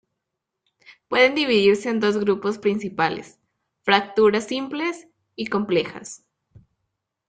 Pueden dividirse en dos grupos principales, fracturas simples y complejas.